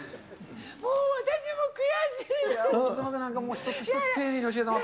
もう私も悔しいです。